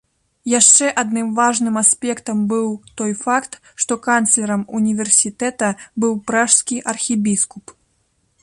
Яшчэ адным важным аспектам быў той факт, што канцлерам універсітэта быў пражскі архібіскуп.